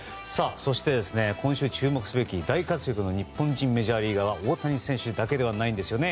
そして、今週注目すべき大活躍の日本人メジャーリーガーは大谷選手だけではないんですよね